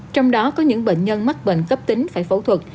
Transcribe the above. trong đó có những bệnh nhân mắc bệnh cấp tính phải phẫu thuật